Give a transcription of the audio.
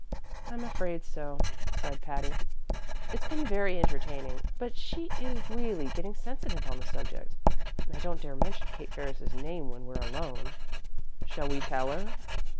"I'm afraid so," sighed Patty. "It's been very entertaining, but she is really getting sensitive on the subject, and I don't dare mention Kate Ferris's name when we're alone." "Shall we tell her?"